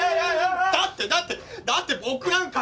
だってだってだって僕なんか！